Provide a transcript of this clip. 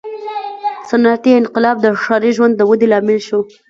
• صنعتي انقلاب د ښاري ژوند د ودې لامل شو.